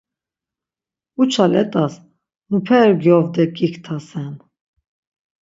Uça let̆as muper gyovde giktsasen.